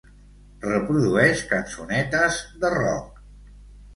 Reprodueix cançonetes de rock.